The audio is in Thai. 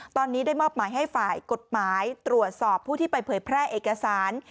ตอนนี้ได้มอบหมายให้ฝ่ายกฎหมายตรวจสอบผู้ที่ไปเผยแพร่เอกสาร